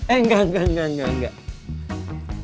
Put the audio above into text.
enggak enggak enggak enggak